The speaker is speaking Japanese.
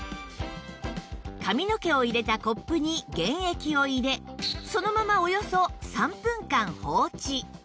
髪の毛を入れたコップに原液を入れそのままおよそ３分間放置